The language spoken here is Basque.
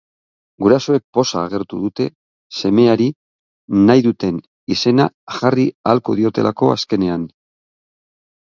Gurasoek poza agertu dute, semeari nahi duten izena jarri ahalko diotelako azkenean.